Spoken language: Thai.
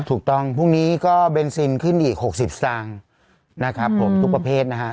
ถูกต้องพรุ่งนี้ก็เบนซินขึ้นอีก๖๐ซังนะครับผมทุกประเภทนะฮะ